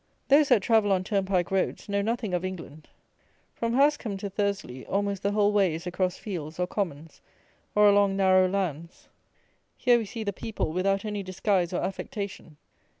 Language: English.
Those that travel on turnpike roads know nothing of England. From Hascomb to Thursley almost the whole way is across fields, or commons, or along narrow lands. Here we see the people without any disguise or affectation.